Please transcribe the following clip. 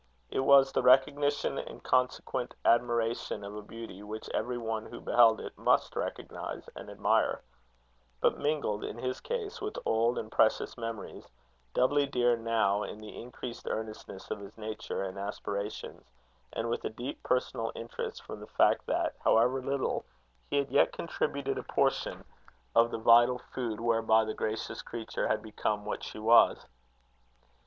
It was the recognition and consequent admiration of a beauty which everyone who beheld it must recognize and admire; but mingled, in his case, with old and precious memories, doubly dear now in the increased earnestness of his nature and aspirations, and with a deep personal interest from the fact that, however little, he had yet contributed a portion of the vital food whereby the gracious creature had become what she was.